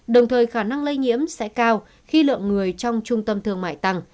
đồng thời khả năng lây nhiễm sẽ cao khi lượng người trong trung tâm thương mại tăng